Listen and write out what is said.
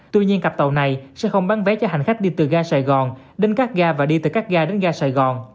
tuy nhiên cặp tàu này sẽ không bán vé cho hành khách đi từ ga sài gòn đến các ga và đi từ các ga đến ga sài gòn